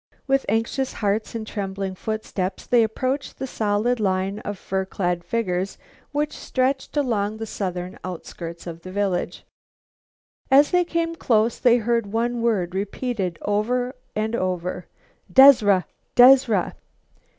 With anxious hearts and trembling footsteps they approached the solid line of fur clad figures which stretched along the southern outskirts of the village. As they came close they heard one word repeated over and over: "Dezra! Dezra!"